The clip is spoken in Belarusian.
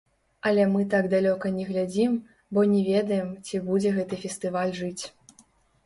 Але мы так далёка не глядзім, бо не ведаем ці будзе гэты фестываль жыць.